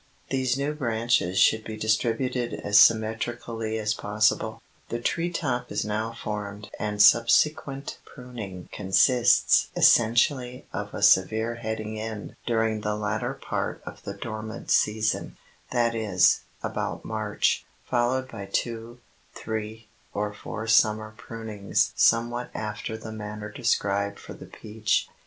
These new branches should be distributed as symmetrically as possible. The tree top is now formed and subsequent pruning consists essentially of a severe heading in during the latter part of the dormant season, that is, about March, followed by two, three, or four summer prunings somewhat after the manner described for the peach.